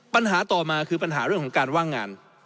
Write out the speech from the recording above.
ปัญหาต่อมาคือปัญหาเรื่องของการว่างงาน